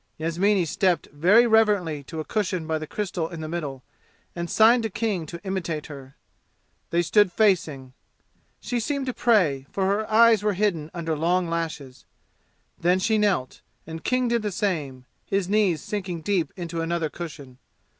Yasmini stepped very reverently to a cushion by the crystal in the middle, and signed to King to imitate her. They stood facing. She seemed to pray, for her eyes were hidden under the long lashes. Then she knelt, and King did the same, his knees sinking deep into another cushion.